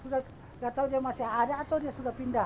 gak tau dia masih ada atau dia sudah pindah